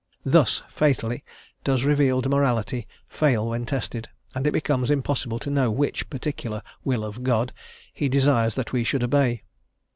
Thus fatally does revealed morality fail when tested, and it becomes impossible to know which particular "will of God" he desires that we should obey.